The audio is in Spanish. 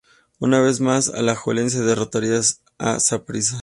Una vez más, Alajuelense derrotaría a Saprissa.